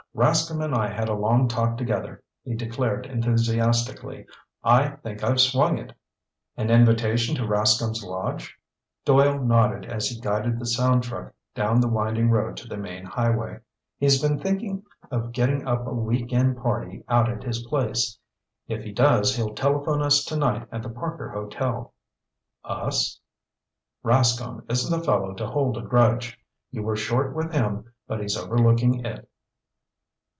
"Rascomb and I had a long talk together," he declared enthusiastically. "I think I've swung it!" "An invitation to Rascomb's lodge?" Doyle nodded as he guided the sound truck down the winding road to the main highway. "He's been thinking of getting up a week end party out at his place. If he does he'll telephone us tonight at the Parker Hotel." "Us?" "Rascomb isn't a fellow to hold a grudge. You were short with him but he's overlooking it."